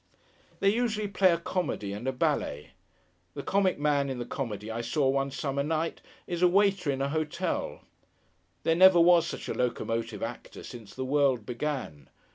They usually play a comedy, and a ballet. The comic man in the comedy I saw one summer night, is a waiter in an hotel. There never was such a locomotive actor, since the world began.